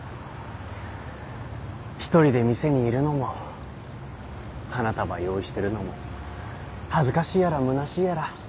一人で店にいるのも花束用意してるのも恥ずかしいやらむなしいやら。